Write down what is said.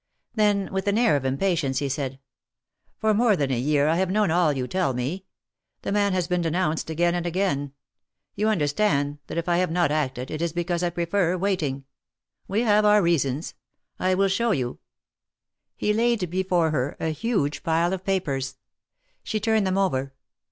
Then, with an air of impatience, he said : For more than a year I have known all you tell me. The man has been denounced again and again 1 You understand, that if I have not acted, it is because I prefer waiting. We have our reasons. I will show you —" He laid before her a huge pile of papers. She turned them over.